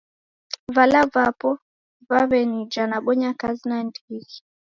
Vala vapo vaw'enija nabonya kazi nandighi.